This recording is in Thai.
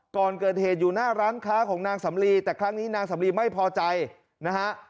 ก่อนเกิดเหตุอยู่หน้าร้านค้าของนางสำลีแต่ครั้งนี้นางสำลีไม่พอใจนะฮะ